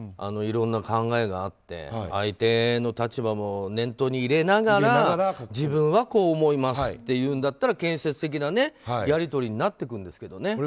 いろんな考えがあって相手の立場も念頭に入れながら、自分はこう思いますっていうんだったら建設的なやり取りになっていくんですけどね。